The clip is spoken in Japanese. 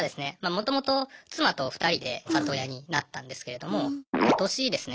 もともと妻と２人で里親になったんですけれども今年ですね